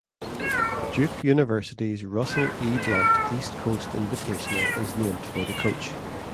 Duke University's Russell E. Blunt East Coast Invitational is named for the coach.